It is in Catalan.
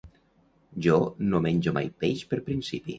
Jo no menjo mai peix per principi.